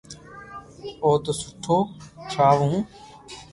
اونو سٺو ٺراوُ ھون